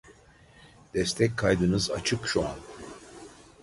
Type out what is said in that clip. Destek kaydınız açık şu an